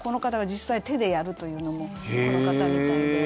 実際に手でやるというのもこの方みたいで。